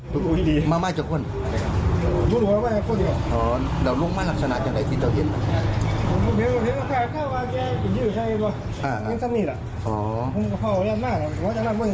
ครูอนุญาตรูแล้วเกี่ยวอย่างเกี่ยว